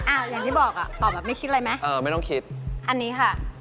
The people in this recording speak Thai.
อ่าอย่างที่บอกตอบแบบไม่คิดอะไรไหมอันนี้ค่ะ